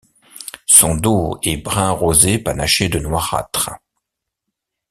Son dos est brun rosé panaché de noirâtre.